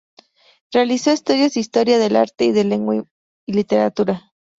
Realizó estudios de Historia del Arte y de Lengua y Literatura.